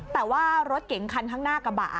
แต่ว่ารถเก๋งคันข้างหน้ากระบะ